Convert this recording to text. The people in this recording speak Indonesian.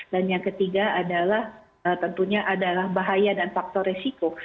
dan yang ketiga adalah tentunya adalah bahaya dan faktor resiko